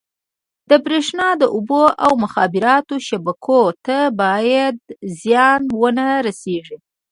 د بریښنا، اوبو او مخابراتو شبکو ته باید زیان ونه رسېږي.